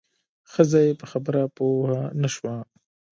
ښځه یې په خبره پوه نه شوه.